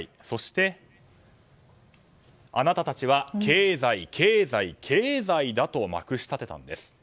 そして、あなたたちは経済、経済、経済だとまくし立てたんです。